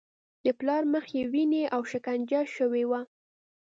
د پلار مخ یې وینې و او شکنجه شوی و